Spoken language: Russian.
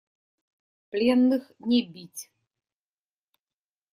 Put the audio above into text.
Пленных не бить!